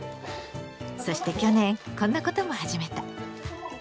そして去年こんなことも始めた。